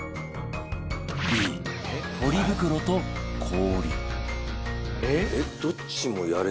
Ｂ ポリ袋と氷